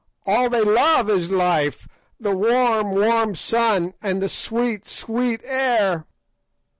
All they love is life, the warm, warm sun, and the sweet, sweet air.